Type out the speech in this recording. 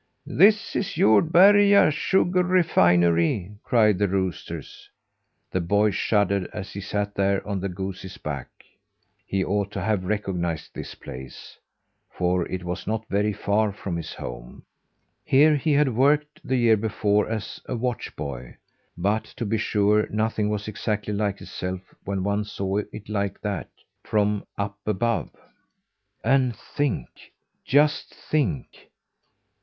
"This is Jordberga Sugar Refinery," cried the roosters. The boy shuddered as he sat there on the goose's back. He ought to have recognised this place, for it was not very far from his home. Here he had worked the year before as a watch boy; but, to be sure, nothing was exactly like itself when one saw it like that from up above. And think! Just think!